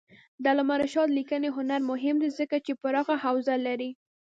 د علامه رشاد لیکنی هنر مهم دی ځکه چې پراخه حوزه لري.